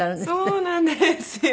そうなんですよ。